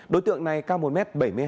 đối tượng này cao một m bảy mươi hai